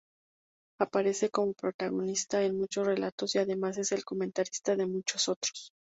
Aparece como protagonista en muchos relatos y además es el comentarista de muchos otros.